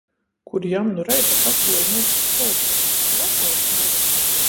Kur jam nu reita pakluoju meikstu koldreiti. Vasals, Muri!